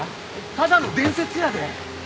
ただの伝説やで！